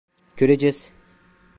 Göreceğiz.